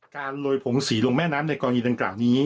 โรยผงสีลงแม่น้ำในกรณีดังกล่าวนี้